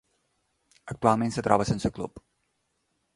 Actualment, es troba sense club.